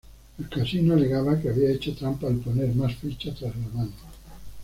El casino alegaba que había hecho trampa al poner más fichas tras la mano.